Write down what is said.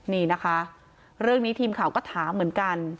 นี่นะคะเรื่องนี้ทีมข่าวก็ถามเหมือนกัน